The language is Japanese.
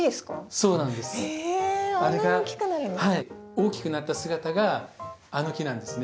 大きくなった姿があの木なんですね。